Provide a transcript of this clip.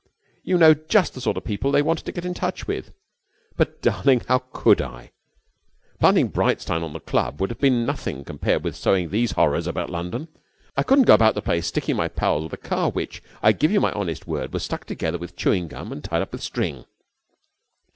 You know just the sort of people they wanted to get in touch with.' 'But, darling, how could I? Planting Breitstein on the club would have been nothing compared with sowing these horrors about London. I couldn't go about the place sticking my pals with a car which, I give you my honest word, was stuck together with chewing gum and tied up with string.'